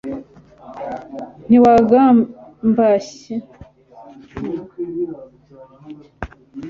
ntiwagumbashye waribarutse ntiwanambwira uko byangenze